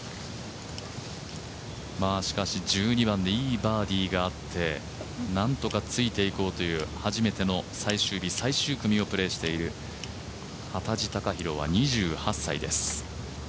１２番でいいバーディーがあって、なんとかついて行こうという初めての最終日最終組をプレーしている幡地隆寛は２８歳です。